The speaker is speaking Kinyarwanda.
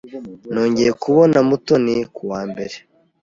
Nongeye kubona Mutoni ku wa mbere.